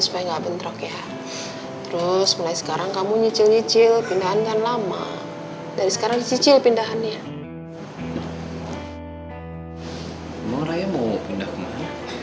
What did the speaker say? emang raya mau pindah kemana